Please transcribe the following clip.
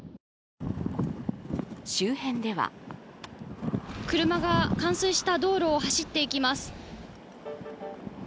周辺では車が冠水した道路を走っていきます。